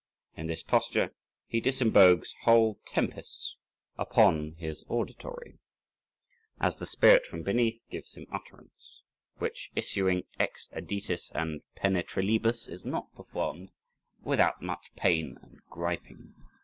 In this posture he disembogues whole tempests upon his auditory, as the spirit from beneath gives him utterance, which issuing ex adytis and penetralibus, is not performed without much pain and griping.